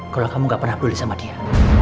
kalau kamu gak pernah peduli sama dia